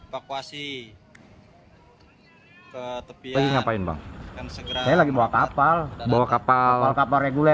pada saat berjalan ke depan kapal ini penumpang berkata